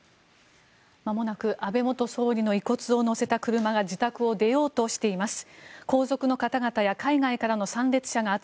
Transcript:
まもなく安倍元総理の遺骨を乗せた車が自宅を出ようとしています。